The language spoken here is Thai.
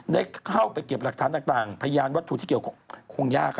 ได้เข้าไปเก็บหลักฐานต่างพยานวัตถุที่เกี่ยวกับคงยาก